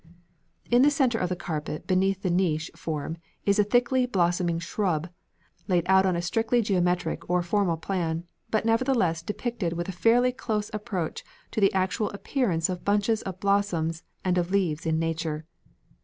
In the centre of the carpet beneath the niche form is a thickly blossoming shrub, laid out on a strictly geometric or formal plan, but nevertheless depicted with a fairly close approach to the actual appearance of bunches of blossoms and of leaves in nature.